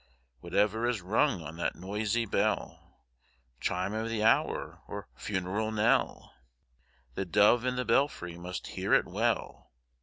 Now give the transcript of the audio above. Whatever is rung on that noisy bell — Chime of the hour or funeral knell — The dove in the belfry must hear it well.